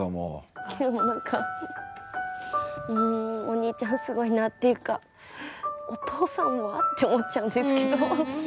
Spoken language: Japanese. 何かお兄ちゃんすごいなっていうか「お父さんは？」って思っちゃうんですけど。